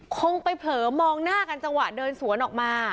คงไปเผลอมองหน้ากันจังหวะเดินสวนออกมา